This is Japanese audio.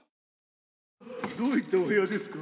どういったお部屋ですか？